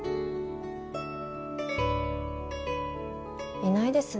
いないですね